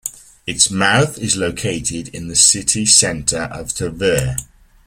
Its mouth is located in the city center of Tver.